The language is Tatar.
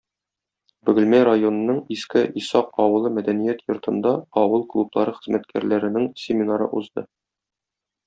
Бөгелмә районының Иске Исак авылы мәдәният йортында авыл клублары хезмәткәрләренең семинары узды